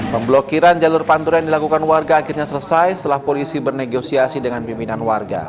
pemblokiran jalur pantura yang dilakukan warga akhirnya selesai setelah polisi bernegosiasi dengan pimpinan warga